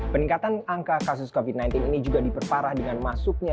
peningkatan angka kasus covid sembilan belas ini juga diperparah dengan masuknya